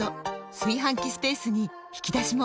炊飯器スペースに引き出しも！